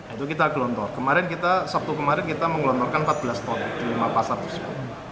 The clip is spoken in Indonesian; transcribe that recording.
itu kita gelontor kemarin kita sabtu kemarin kita menggelontorkan empat belas ton di lima pasar tersebut